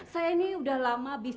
saya ini udah lama